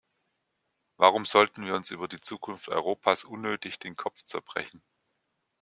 Warum sollten wir uns über die Zukunft Europas unnötig den Kopf zerbrechen?